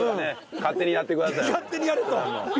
勝手にやれと。